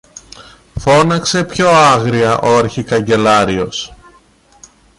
φώναξε πιο άγρια ο αρχικαγκελάριος.